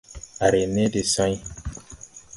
À re ne de sãy.